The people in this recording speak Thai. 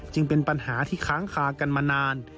จึงเป็นปัญหาที่ค้างคากันมานาน